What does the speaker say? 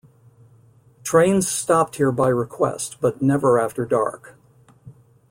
Trains stopped here by request, but never after dark.